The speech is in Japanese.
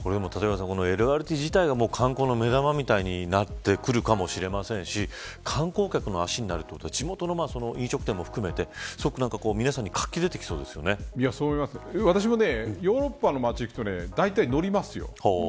ＬＲＴ自体が観光の目玉みたいになってくるかもしれませんし観光客の足になるということは地元の飲食店も含めて私もヨーロッパの街に行くとだいたい乗りますよ。